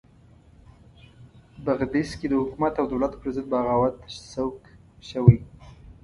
بغدیس کې د حکومت او دولت پرضد بغاوت ته سوق شوي.